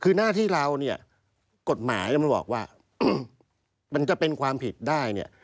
คือหน้าที่เราเนี่ยกฎหมายมันบอกว่ามันจะเป็นความผิดได้เนี่ย